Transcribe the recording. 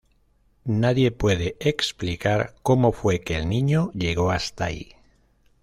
Nadie puede explicar como fue que el niño llegó hasta ahí.